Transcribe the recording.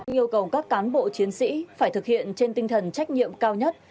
yêu cầu các cán bộ chiến sĩ phải thực hiện trên tinh thần trách nhiệm cao nhất